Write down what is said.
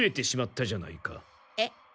えっ？